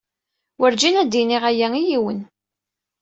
Werǧin ad iniɣ aya i yiwen.